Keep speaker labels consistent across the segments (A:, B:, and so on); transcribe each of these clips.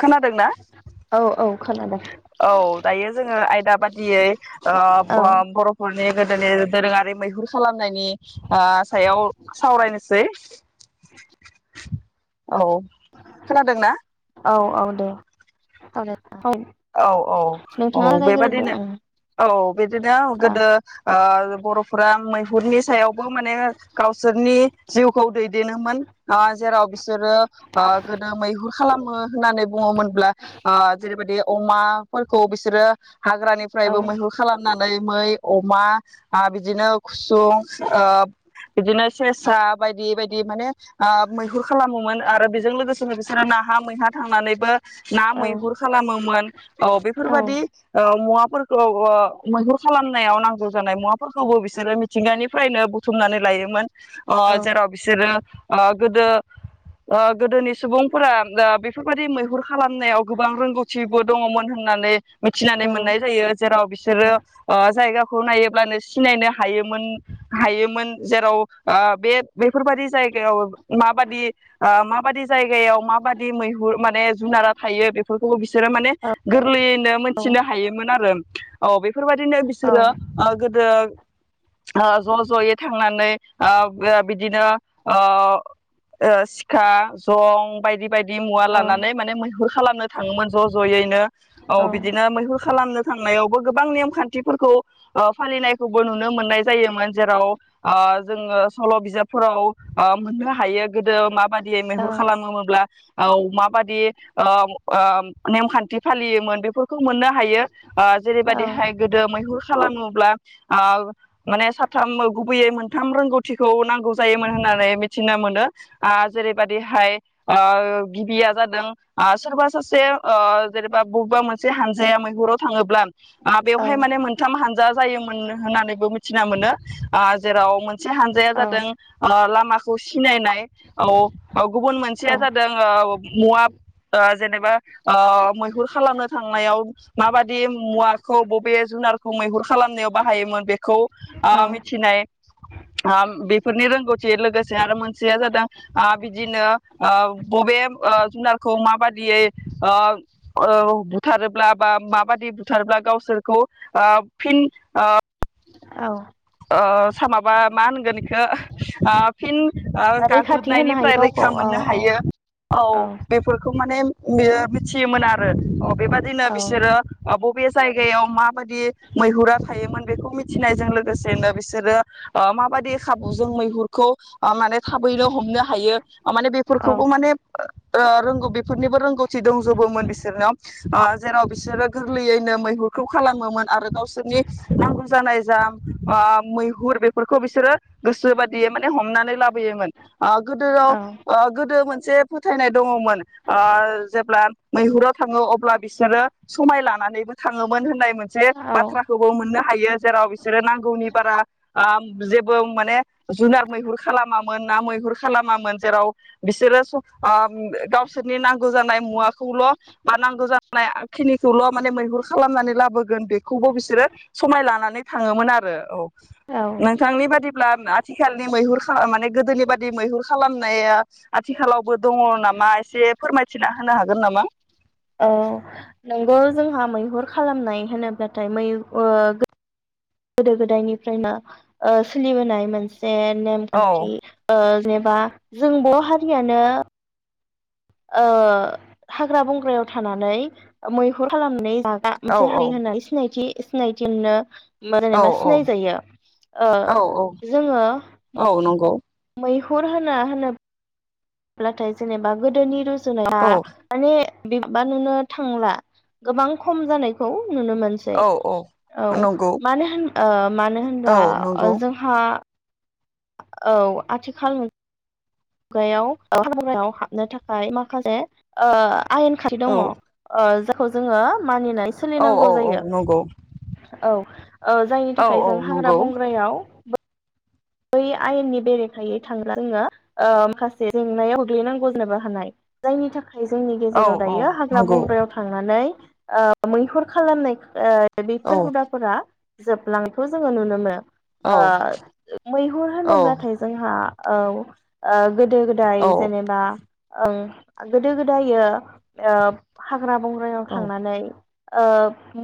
A: खोनादोंना
B: औ औ खोनादों
A: औ दायो जोङो आयदा बादियै
B: औ
A: बर' माने गोदोनि दोरोङारि मैहुर खालामनायनि सायाव सावरायनोसै [inaudible] औ खोनादों ना
B: औ औ दे
A: औ औ औ
B: नोंथाङा जागायग्रोदो
A: बेबादिनो
B: ओं
A: औ बिदिनो
B: औ
A: गोदो बर'फोरा मैहुरनि सायावबो माने गावसोरनि जिउखौ दै देनोमोन जेराव बिसोरो गोदो मैहुर खालामो होननानै बुङोमोनब्ला जेरैबायदि अमाफोरखौ बिसोरो
B: औ
A: हाग्रानिफ्रायबो मैहुर खालामनानै मै अमा बिदिनो खुसुं बिदिनो सेसा बायदि बायदि माने मैहुर खालामोमोन आरो बेजों लोगोसेनो बिसोरो नाहा मैहा थांनानैबो ना
B: औ
A: मैहुर खालामोमोन औ बेफोरबादि ओ मुवाफोरखौ ओ मैहुर खालामनायाव नां गौ जानाय मुाफोरखौबो बिस सोरो मिथिंगानिफ्रायनो बुथुमनानै लायोमोन अ
B: औ
A: जेराव बिसोरो ओ गोदो ओ गोदोनि सुबुंफोरा ओ बेफोरबायदि मैहुर खालामनायाव गोबां रोंगौथि मोन होननानै मिथिनानै मोननाय जायो जेराव बिसोरो
B: औ
A: ओ जायगाखौ नायोब्लानो सिनायनो हायोमोन हायोमोन जेराव ओ बे बेफोरबादि जायगायाव माबादि ओ मा बादि जायगायाव माबादि मैहुर माने जुनारा थायो बेफोरखौबो बिस सोरो माने गोरलैयैनो मोनथिनो हायोमोन आरो औ बै फोरबायदिनो बिसोरो ओ गोद रो ओ ज' ज'यै थांनानै ओ ओ बिदिनो ओ ओ सिखा जं बायदि बायदि मुवा लानानै माने मैहुर खालामनो थाङोमोन ज' ज'यैनो औ बिदिनो मैहुर खालामनो थांनायावबो गोबां नेमखान्थिफोरखौ फालिनायखौबो नुनो मोननाय जायोमोन जेराव ओ जोङो सल' बिजाबफोराव ओ मोननो हायो गोदो माबादि मैहुर खालामोमोब्ला औ माबादि ओ ओ नेमखान्थि फालियोमोन बेफोर खौ मोननो हायो ओ जेरैबायदिहाय गोदो मैहुर खालामोब्ला आ माने साथाम गुबैयै मोन थाम रोंगौथिखौ नांगौ जायोमोन होननानै मिथिनो मोनो ओ जेरैबायादिहाय ओ गिबिया जादों ओ सोरबा सासे ओ जेनेबा बबेबा मोनसे हानजाया मैहुराव थाङोब्ला आ
B: औ
A: बेवहाय माने मोनथाम हानजा जायोमोन होननानैबो मिथिना मोनो आ जेराव मोन से हानजाया जादों ओ लामा खौ सिनाय नाय औ औ गुबुन मोनसेया जादों मुवा ओ जेनेबा ओ मैहुर खालामनो थांनायाव माबायदि मुवाखौ बबे जुनारखौ मैहुर खालामनायाव बाहायोमोन बेखौ
B: औ
A: आ मिथिनाय आ बेफोरनि रोंगौथि लोगोसे आरो मोनसेया जादों आ बिदिनो आ बबे आ जुनारखौ माबादियै आ ओ बुथारोब्ला बा माबाददि बुथारोब्ला गावसोरखौ ओ फिन ओ
B: औ
A: ओ सामाबा मा होनगोन इ खो आ फिन आ
B: रैखाथि होनो हायो
A: गाग्लोबनायनिफ्राय
B: गावखौ
A: रैखा
B: औ
A: मोननो
B: औ
A: हायो औ बेफोरखौ माने बियो मिथियोमोन आरो बेबदिन बिसोरो बब बे जायगायाव माबाददि मैहुरा थायोमोन बेखौ मिथिनायजों लोगोसे बिदिनो बिसोरो ओ माबायदि खाबुजों मैहुरखौ ओ माने थाबैनो हमनो हायो ओ माने
B: औ
A: बेफोरखौबो माने ओ रोंगौ बेफोरनिबो रोंगौथि दंजोबोमोन बिसोरनयाव ओ जेराव बिसोरो गोरलैयैनो मैहुरखौ खालामोमोन आरो गाव सोरनि नांगौ जानाय जा आ मैहुर बेफोरखौ बिसोरो गोसोबादियै माने हमनानै लाब योमोन गोदोआव
B: औ
A: गोदो मोन जे फोथायनाय दङमोन आ जेब्ला मैहुराव थाङो अब्ला बिसोरो समाय लानानैबो थाङोमोन होननाय मोनसे बाथ्राखौबो मोननो हायो जेराव बिसोरो नांगौनि बारा आ जेबो माने जुनार मैहुर खालामामोन, ना मैहुर खालामामोन जेराव बिसोरो ओ गावसोरनि नांगौ जानाय मुवाखौल बा नांगौ जानाय खिनिखौल माने मैहुर खालामनानै लाबोगोन बेखौबो बिसोरो समाय लानानै थाङोमोन आरो औ नोंथांनि बादि अब्ला आथिखालनि मैहुर माने गोदोनि बादि मैहुर खालामनाया आथिखालावबो दङ नामा एसे फोरमायथिना होनो हागोन नामा?
B: औ नंगौ जोंहा मैहुर खालामनाय होनोब्लाथाय मै ओ गोदो गोदायनिफ्रायनो ओ सोलिबोनाय मोनसे जे
A: औ
B: नेमखान्थि जेनेबा जों बर' हारियानो ओ हाग्रा बंग्रायाव थानानै मैहुर खालामनानै जाग्रा
A: औ
B: मोनसे
A: औ
B: हारि होननानै सिनायथि सिनायथि मोनो मा
A: औ
B: जेनेबा सिनायजायो ओ
A: औ औ
B: जोङो
A: औ नंगौ
B: मैहुर होना हना ब्लाथाय जेनेबा गोदोनि जेनेबा
A: औ
B: माने बेबा नुनो थांला गोबां खम जानायखौ नुनो मोनसै
A: औ औ
B: औ
A: नंगौ
B: मानो होन मानो
A: औ
B: होनबब्ला
A: नंगौ
B: जोंहा औ आथिखाल न खुगायाव हामायाव हाबनो थाखाय माखासे आयेन खाथि
A: औ
B: दङ खौ जोङो मानिनाय
A: औ औ
B: सोलिनांगौ
A: औ
B: जायो
A: नंगौ
B: औ जायनि
A: औ
B: थाखाय
A: औ
B: जों हाग्रा
A: नंगौ
B: बंग्रायाव बै आयेननि बेरेखायै थांब्ला जोङो माखासे जेंनायाव गोग्लैनांगौ जनोबो हानाय जायनि थाखाय जोंनि
A: औ
B: गेजेराव
A: औ
B: दायो हाग्रा
A: नंगौ
B: बंग्रायाव थांनानै मैहुर खालामनाय दा
A: औ
B: बेफोर हुदाफोरा जोबलांथ' जोङो नुनो मोनो
A: औ
B: आ मैहुर
A: औ
B: होनोब्लाथाय जोंहा औ आ गोदो गोदाय जेनेबा ओं गोदो गोदायो हाग्रा बंग्रायाव
A: औ
B: थांनानै ओ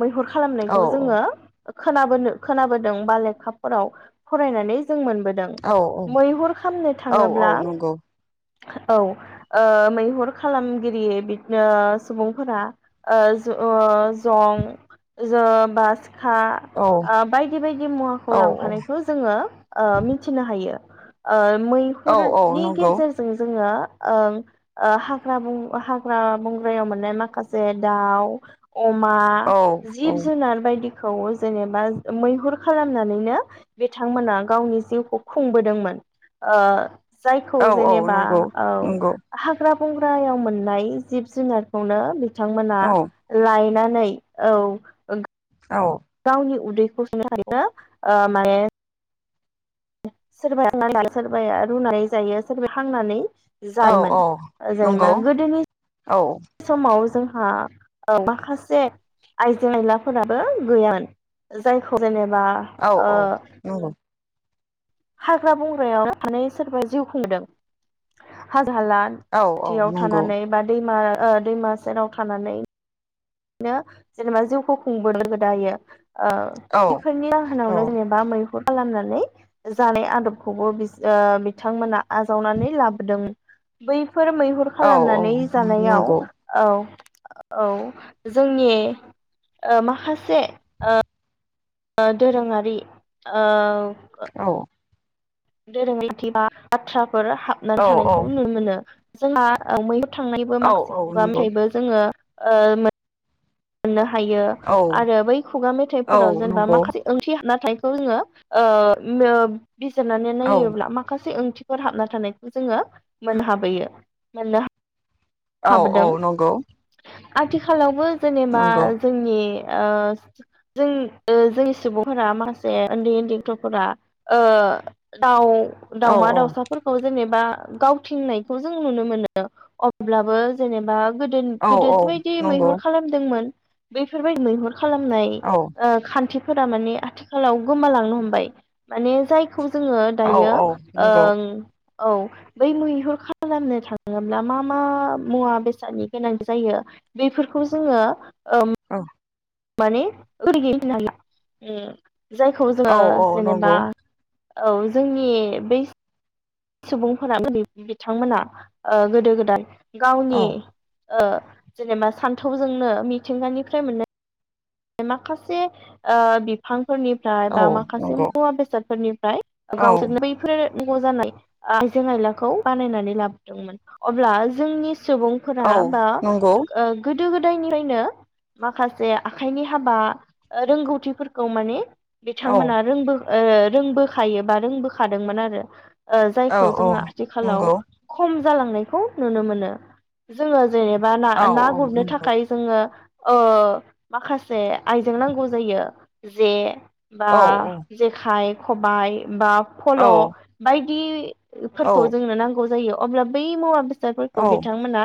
B: मैहुर खालामनायखौ जोङो खोना खोनाबोदों बा लेखाफोराव फरायनानै जों मोन
A: औ औ
B: मैहुर खालामनो
A: औ औ
B: थाङोब्ला
A: नंगौ
B: औ मैहुर खालामगिरि बिदि सुबुंफोरा जं बा
A: औ
B: बायदि बायदि मुवाखौ
A: औ
B: लांफानायखौ मिथिनो हायो आ
A: औ औ
B: मैहुरनि
A: नंगौ
B: गेजेरजों जोङो ओ हाग्रा हाग्रा बंग्रायाव मोननाय माखासे दाउ अमा
A: औ
B: जिब जुनार बायदि खौ जेनेबा मैहुर खालामनानैनो बिथांमोना गावनि जिउखौ खुंबोदोंमोन जायखौ
A: औ औ
B: जेनेबा
A: नंगौ
B: औ
A: नंगौ
B: हाग्रा बंग्रायाव मोननाय जिब-जुनारखौनो बिथांमोना
A: औ
B: लायनानै नै औ ओंखाय
A: औ
B: गावनि उदैखौ सुफुंनो थाखायनो ओ माने सोरबाया सोरबाया रुनानै जायो सोरबाया हांनानै
A: औ
B: जायोमोन
A: औ नंगौ
B: जेनेबा गोदोनि
A: औ
B: समाव जोंहा माखासे आइजें-आयलाफोराबो गैयामोन जायखौ जेनेबा
A: औ
B: बा
A: औ
B: ओ
A: नंगौ
B: हाग्रा-बंग्रायाव थांनानै सोरबाया जिउ खुंदों जाला
A: औ औ
B: खाथियाव
A: नंगौ
B: थानानै बा दैमा ओ दैमा सेराव थानानै बिनो जेनेबा जिउखौ खुंबोदों गोदोयो ओ
A: औ
B: बिफोरनि
A: औ
B: जाहोनावनो जेनेबा मैहुर खालामनानै जानाय आदबखौबो बिथांमोना आजावनानै लाबोदों बै फोर मैहुर
A: औ औ
B: खालामनानै जानायाव
A: नंगौ
B: औ औ जोंनि ओ माखासे ओ दोरोङारि ओ
A: औ
B: दाथ [unintelligible] फोर हाबनानै
A: औ औ
B: थानायखौ नुनो मोनो जोंहा मैहुर थांनायबो
A: औ
B: माखासेखौबा [unintelligible]
A: नंगौ
B: ओमफ्रायबो [unintelligible] जोङो ओ मोननो हा हायो आरो बै खुगा
A: औ
B: मेथाइफोराव जेनेबा
A: नंगौ
B: माखासे ओंथि हाबना थायो बेखौ जोङो ओ ओ बिजिरनानै
A: औ
B: नायोब्ला माखासे ओंथि थिफोर हाबना थानायखौ जोङो मोननो हाबोयो मोननो
A: औ
B: हाबोदों
A: औ नंगौ
B: आथिखालावबो जेनेबा
A: नंगौ
B: जोंनि जों जोंनि सुबुंफोरा माखासे उन्दै उन्दै गथ'फोरा दाउ
A: औ
B: दावमा
A: औ
B: दावसाफोरखौ जेनेबा गावथिंनायखौ जों नुनो मोनो अब्लाबो जेनेबा गोदो
A: औ
B: गोदोसो बायदि
A: नंगौ
B: मैहुर खालामदोंमोन बेफोरबादि मैहुर खालामनाय
A: औ
B: खान्थि फोरा माने आथिखालाव गोमालांनो हमबाय माने जाय फोरखौ जोङो
A: औ
B: दायो
A: औ नंगौ
B: औ बै मैहुर खालामनो थाङोब्ला मा मा मुवा बेसादनि गोनां जायो बेफोरखौ जोङो ओम
A: औ
B: माने [unintelligible] जायखौ जोङो
A: औ औ
B: जेनेबा
A: नंगौ
B: औ जोंनि बै सुबुंफोरा बिथांमोना गोदो गोदाय
A: औ
B: गावनि जेनेबा सान्थौजोंनो मिथिंगानिफ्राय मोननाय माखासे बिफां फोरनिफ्राय
A: औ
B: बा माखासे
A: नंगौ
B: मुवा बेसादफोरनिफ्राय
A: औ
B: गावसोरनो बैफोर नांगौ जानाय आइजें आयलाखौ बानायनानै लाबोदोंमोन अब्ला जोंनि सुबुंफोरा
A: औ
B: बा
A: नंगौ
B: गोदो गोदायनिफ्रायनो माखासे आखाइनि हाबा रोंगौथिफोरखौ माने
A: औ
B: बिथांमोना रोंबो रोंबोखायो बा रोंबोखादोंमोन आरो
A: औ
B: जायखौ
A: औ
B: जोङो आथिखालाव
A: नंगौ
B: खम जालांनायखौ नुनो मोनो जोङो जेनेबा
A: औ
B: ना-ना
A: औ
B: गुरनो
A: नंगौ
B: थाखाय जोङो अ माखासे आइजें नांगौ जायो जे बा
A: औ
B: जेखाय खबाइ बा
A: औ
B: फल' बायदि बि
A: औ
B: फोरखौ जोंनो नांगौ जायो अब्ला बै मुवा बेस सादफोरखौ बिथांमोना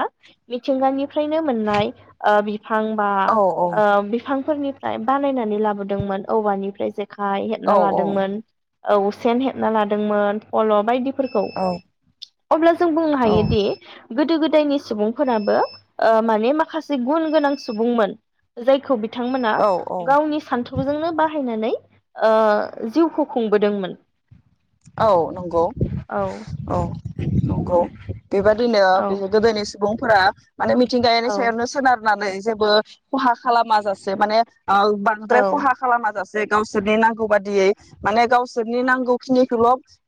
B: मिथिंगानिफ्रायनो मोननाय ओ बि फां बा
A: औ
B: बिफांफोरनिफ्राय बानायनानै लाबोदोंमोन औवानिफ्राय जे खाय हेबना लादोंमोन औ सेन हेबना लादोंमोन फल' बायदि फोरखौ अब्ला जों बुंनो हायोदि गोदो गोदायनि सुबुंफोराबो ओ माने माखासे गुन गोनां सुबुंमोन जायखौ बि थांमोना
A: औ
B: गावनि सान्थौजोंनो बाहायनानै ओ जिउखौ खुंबोदोंमोन
A: औ नंगौ
B: औ
A: औ नंगौ बेबायदिनो
B: औ
A: बे गोदोनि सुबुं फो फोरा माने मिथिंगायानि
B: औ
A: सायावनो सोनार नानै जेबो खहा खालामा जासे माने आ बांद्राय
B: औ
A: खहा खालामा जास जे गावसोरनि नांगौ बादियै माने गावस सोरनि नांगौ निखोल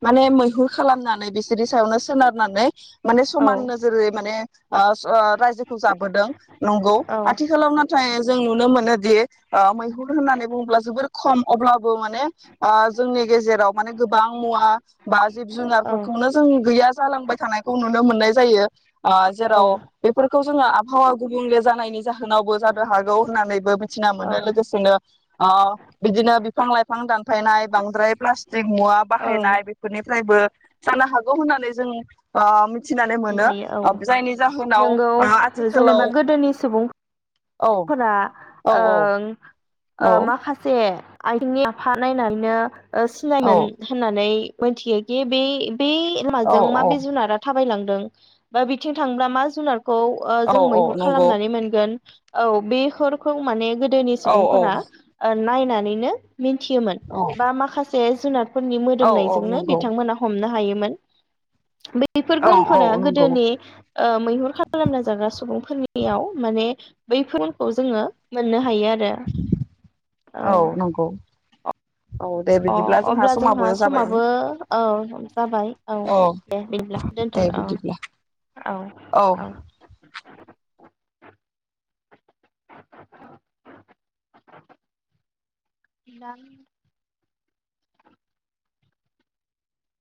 A: माने मैहुर खालामनानै बिसोरनि सायावनो सोनारनानै माने
B: औ
A: समान नोजोरै माने ओ स ओ रायजोखौ जाबोदों नंगौ
B: औ
A: आथिखालाव नाथाय जों नुनो मोनोदि मैहुर होननानै बुङोब्ला जोबोर खम अब्लाबो माने ओ जोंनि गेजेराव माने गोबां मुवा बा जिब जुनारफोरखौनो जों गैया जालांबाय थानायखौ नुनो मोननाय जायो ओ जेराव
B: औ
A: बेफोर खौ जोङो आबहावा गुबुंले जानायनि जाहोनावबो जानो हागौ होननानैबो मिथिना
B: औ
A: मोनो लोगोसेनो ओ बिदिनो बिफां लाइफां दानफायनाय बांद्राय फ्लास जे मुवा
B: औ
A: बाहायनाय बेफोरनिफ्रायबो जानो हागौ होननानै जों आ‌ मि थिनानै
B: बुंनो
A: मोनो
B: हायो औ
A: ओ जायनि जाहोनाव
B: नोंगौ
A: बा आथिखालाव औ
B: फोरा
A: औ औ
B: ओं ओ
A: औ
B: माखासे ए [unintelligible]
A: औ
B: सिनायमोन होननानै मिथियोदि बाय बे
A: औ
B: लामाजों मा बेे जुनारा थाबायलांदों बा बिथिं थांबा मा जुनार खौ
A: औ
B: जों
A: औ
B: मैहुर
A: नंगौ
B: खालामनानै मोनगोन औ बेफोरखौ माने गो गोदोनि
A: औ औ
B: सुबुंफोरा नायनानैनो मिथियोमोन
A: औ
B: बा माखासे जे जुनार फोरनि
A: औ औ
B: मोदोमनायजोंनो
A: नंगौ
B: बिथांमोना हमनो हायो [unintelligible] बेफोर
A: औ औ
B: गुनफोरा
A: नंगौ
B: गोदोनि मैहुर खालामना जाग्रा सुबुंफोरनियाव माने बैफोरखौ जोंङो मोननो हायो आरो औ
A: औ दे
B: अ
A: बिदिब्ला
B: अब्ला जोंहा
A: समाबो जाबाय
B: समाबो औ जाबाय औ दे बिदिब्ला दोनथ'
A: दे बिदिब्ला
B: औ- औ - औ [unintelligible]